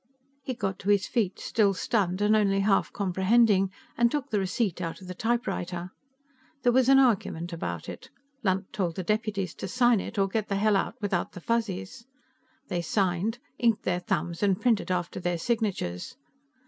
He got to his feet, still stunned and only half comprehending, and took the receipt out of the typewriter. There was an argument about it; Lunt told the deputies to sign it or get the hell out without the Fuzzies. They signed, inked their thumbs and printed after their signatures.